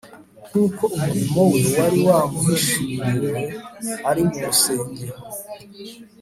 Nk’uko umurimo We wari wamuhishuriwe ari mu rusengero,